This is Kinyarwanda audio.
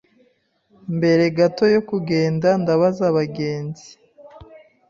mbere gato yo kugenda, ndabaza abagenzi